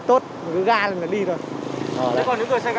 còn những người xe ga thì anh thấy như thế nào